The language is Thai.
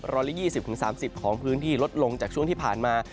ร้อนละ๒๐๓๐องศาเซียตของพื้นที่ลดลงจากช่วงที่ผ่านมา